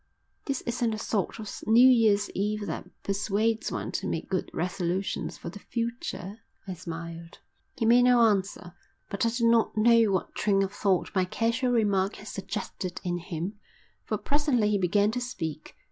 "This isn't the sort of New Year's Eve that persuades one to make good resolutions for the future," I smiled. He made no answer, but I do not know what train of thought my casual remark had suggested in him, for presently he began to speak.